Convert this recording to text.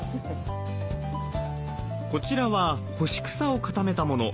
こちらは干し草を固めたもの。